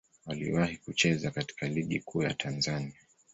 Waliwahi kucheza katika Ligi Kuu ya Tanzania.